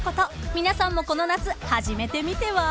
［皆さんもこの夏始めてみては？］